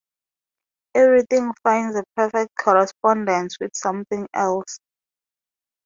Everything finds a perfect correspondence with something else.